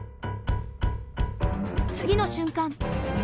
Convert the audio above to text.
次の瞬間！